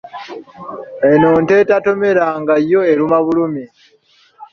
Eno nte etatomera nga yo eruma bulumi.